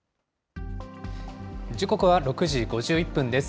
時刻は６時５１分です。